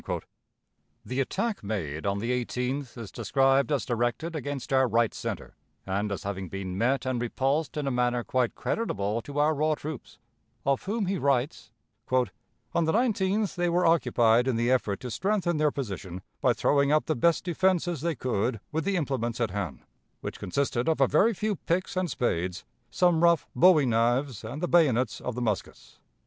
... The attack made on the 18th is described as directed against our right center, and as having been met and repulsed in a manner quite creditable to our raw troops, of whom he writes: "On the 19th they were occupied in the effort to strengthen their position by throwing up the best defenses they could with the implements at hand, which consisted of a very few picks and spades, some rough bowie knives, and the bayonets of the muskets....